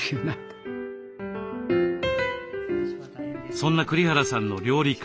そんな栗原さんの料理開発。